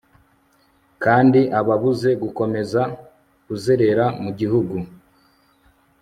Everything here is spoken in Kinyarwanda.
kandi ababuze gukomeza kuzerera mu gihugu